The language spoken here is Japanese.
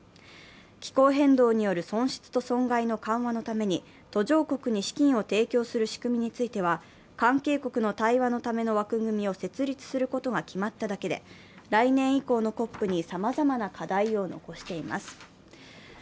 気候変動による損失と損害の緩和のために途上国に資金を提供する仕組みについては関係国への対話のための枠組みを設立することが決まっただけで、来年以降のＣＯＰにさまざまな課題を残しています。